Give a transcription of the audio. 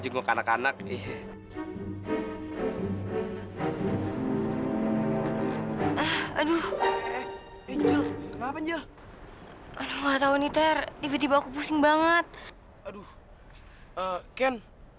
jenguk anak anak ih eh aduh kenapa njel enggak tahu nih terdipati baku pusing banget aduh ken